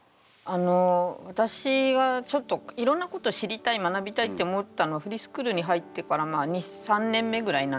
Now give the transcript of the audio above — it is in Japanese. あの私はちょっといろんなこと知りたい学びたいって思ったのはフリースクールに入ってから２３年目ぐらいなんです。